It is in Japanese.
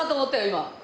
今。